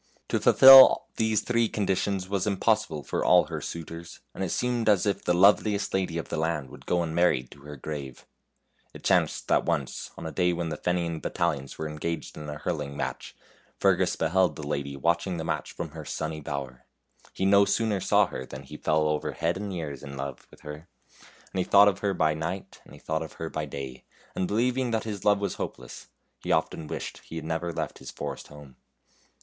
To fulfill these three conditions was im possible for all her suitors, and it seemed as if THE HUNTSMAN'S SON 85 the loveliest lady of the land would go unmar ried to her grave. It chanced that once, on a day when the Fenian battalions were engaged in a hurling match, Fer gus beheld the lady watching the match from her sunny bower. He no sooner saw her than he fell over head and ears in love with her, and he thought of her by night, and he thought of her by day, and believing that his love was hopeless, he often wished he had never left his forest home.